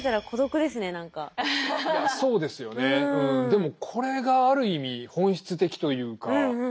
でもこれがある意味本質的というか。